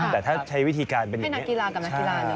ให้นักกีฬากับนักกีฬาเลย